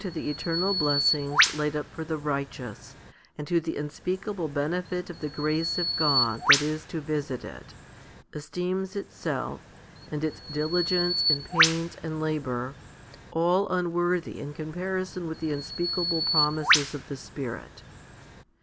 S 222 FIFTY SPIRITUAL HOMILIES eternal blessings laid up for the righteous, and to the unspeakable benefit of the grace of God that is to visit it, esteems itself, and its diligence and pains and labour, all unworthy in comparison with the unspeakable promises of the Spirit.